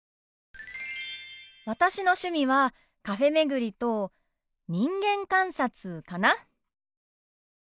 私の趣味はカフェ巡りと人間観察かな。